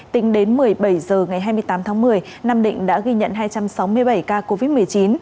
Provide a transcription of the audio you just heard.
tính đến một mươi bảy h ngày hai mươi tám tháng một mươi nam định đã ghi nhận hai trăm sáu mươi bảy ca covid một mươi chín